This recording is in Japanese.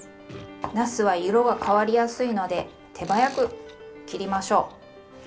なすは色が変わりやすいので手早く切りましょう。